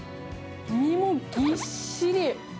身もぎっしり。